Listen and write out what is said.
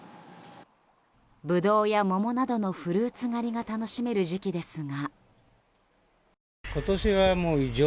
ブドウや桃などのフルーツ狩りが楽しめる時期ですが。